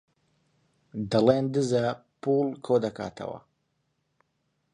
دەڵێن دزە، پووڵ کۆدەکاتەوە.